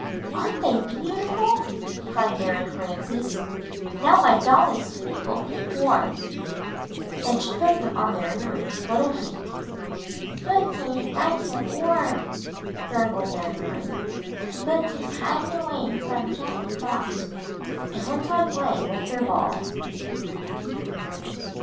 "Aren't they beautiful?" cried Mary Frances. "Now my dolly's feet will keep warm." And she put them on Mary Marie's little feet. Footies nice and warm," gurgled Mary Marie; "footies hidin' away from Jack Frost," and went on 7ir£][l''{r t/l playing with her ball.